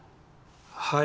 はい。